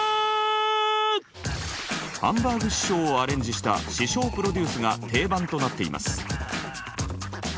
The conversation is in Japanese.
ハンバーグ師匠をアレンジした師匠プロデュースが定番となっています。